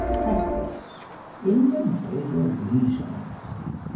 PREFACE. IN THE DESOBLIGEANT.